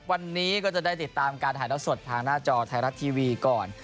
วันนี้ก็จะได้ติดตามการถ่ายแล้วสดทางหน้าจอไทยรัฐทีวีก่อน